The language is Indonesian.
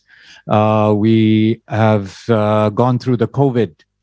kami telah melalui kondisi covid sembilan belas